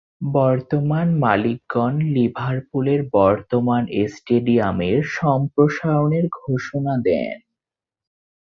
বর্তমান মালিকগণ লিভারপুলের বর্তমান স্টেডিয়ামের সম্প্রসারণের ঘোষণা দেন।